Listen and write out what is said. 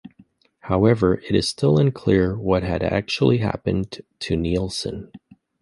However, it was still unclear what had actually happened to Nielsen.